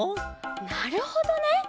なるほどね！